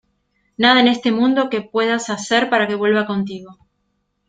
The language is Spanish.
nada en este mundo, que puedas hacer para que vuelva contigo.